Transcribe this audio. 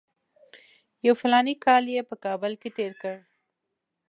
یو فلاني کال یې په کابل کې تېر کړ.